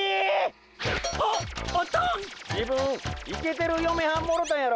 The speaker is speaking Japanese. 自分イケてるよめはんもろたんやろ？